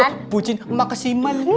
iya bucin makasimal